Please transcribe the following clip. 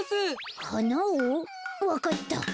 わかった。